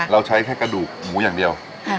เราใช้แค่กระดูกหมูอย่างเดียว